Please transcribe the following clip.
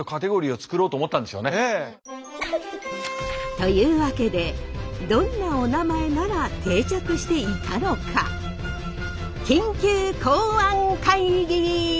というわけでどんなおなまえなら定着していたのか緊急考案会議！